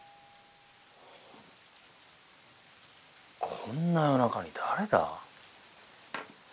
こんな夜中に誰だ？